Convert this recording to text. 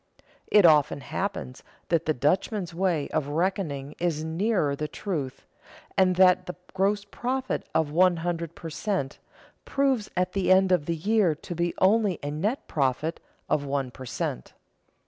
It often happens that the Dutchman's way of reckoning is nearer the truth, and that the gross profit of one hundred per cent. proves at the end of the year to be only a net profit of one per cent.